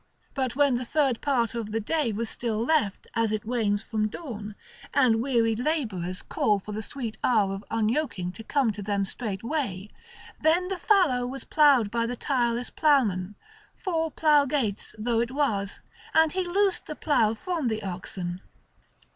But when the third part of the day was still left as it wanes from dawn, and wearied labourers call for the sweet hour of unyoking to come to them straightway, then the fallow was ploughed by the tireless ploughman, four plough gates though it was; and he loosed the plough from the oxen.